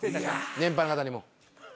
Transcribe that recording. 年配の方にも。